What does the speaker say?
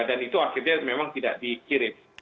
dan itu akhirnya memang tidak dikirim